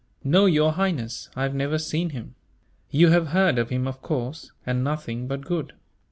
"No, Your Highness, I have never seen him." "You have heard of him, of course, and nothing but good."